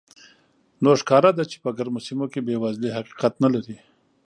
نو ښکاره ده چې په ګرمو سیمو کې بېوزلي حقیقت نه لري.